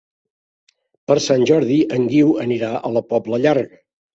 Per Sant Jordi en Guiu anirà a la Pobla Llarga.